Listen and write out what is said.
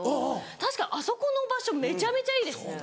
確かにあそこの場所めちゃめちゃいいですね。